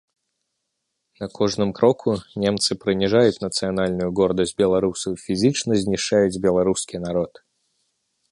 На кожным кроку немцы прыніжаюць нацыянальную гордасць беларусаў і фізічна знішчаюць беларускі народ.